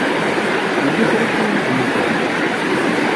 Yella kra n yiwen i yemmuten?